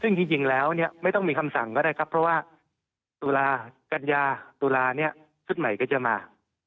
ซึ่งจริงแล้วเนี่ยไม่ต้องมีคำสั่งก็ได้ครับเพราะว่าตุลากัญญาตุลาเนี่ยชุดใหม่ก็จะมา